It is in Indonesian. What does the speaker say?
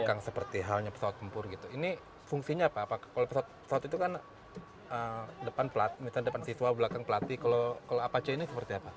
kalau pesawat itu kan depan siswa belakang pelatih kalau apache ini seperti apa